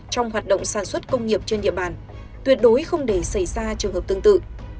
trong hoạt động sản xuất công nghiệp trên địa bàn tuyệt đối không để xảy ra trường hợp tương tự